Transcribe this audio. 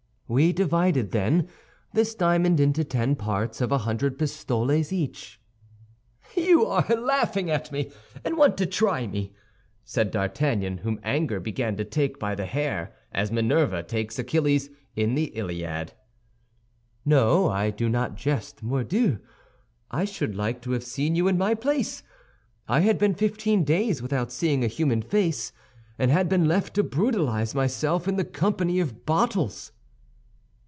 "We divided, then, this diamond into ten parts of a hundred pistoles each." "You are laughing at me, and want to try me!" said D'Artagnan, whom anger began to take by the hair, as Minerva takes Achilles, in the Iliad. "No, I do not jest, mordieu! I should like to have seen you in my place! I had been fifteen days without seeing a human face, and had been left to brutalize myself in the company of bottles."